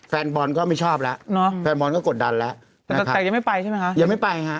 แฟนบอลก็ไม่ชอบแล้วเนาะแฟนบอลก็กดดันแล้วแต่ยังไม่ไปใช่ไหมคะยังไม่ไปฮะ